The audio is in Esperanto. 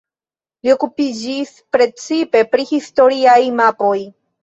Li okupiĝis precipe pri historiaj mapoj.